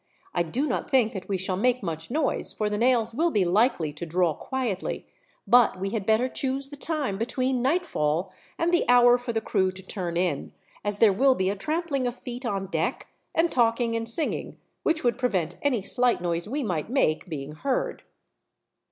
"I do not think that we shall make much noise, for the nails will be likely to draw quietly; but we had better choose the time between nightfall and the hour for the crew to turn in, as there will be a trampling of feet on deck, and talking and singing, which would prevent any slight noise we might make, being heard."